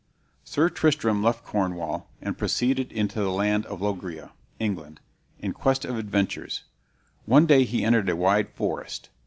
Sir Tristram left Cornwall, and proceeded into the land of Loegria (England) in quest of adventures. One day he entered a wide forest.